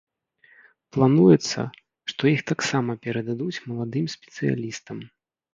Плануецца, што іх таксама перададуць маладым спецыялістам.